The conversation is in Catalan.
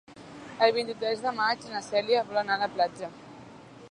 El vint-i-tres de maig na Cèlia vol anar a la platja.